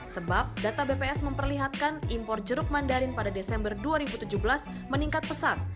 sebab data bps memperlihatkan impor jeruk mandarin pada desember dua ribu tujuh belas meningkat pesat